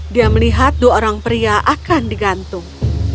dia melihat dua orang pria akan digantung